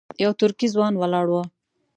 یو ترکی ځوان ولاړ و.